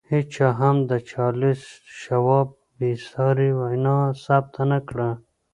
هېچا هم د چارلیس شواب بې ساري وینا ثبت نه کړه